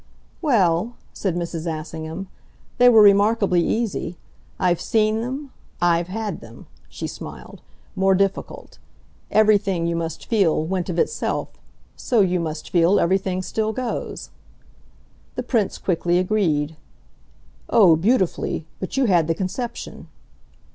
"Well," said Mrs. Assingham, "they were remarkably easy. I've seen them, I've HAD them," she smiled, "more difficult. Everything, you must feel, went of itself. So, you must feel, everything still goes." The Prince quickly agreed. "Oh, beautifully! But you had the conception."